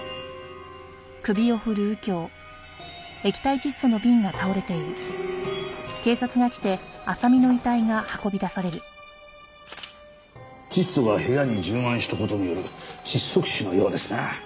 窒素が部屋に充満した事による窒息死のようですな。